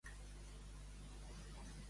Què és la Tarasca?